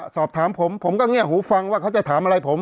เพราะฉะนั้นประชาธิปไตยเนี่ยคือการยอมรับความเห็นที่แตกต่าง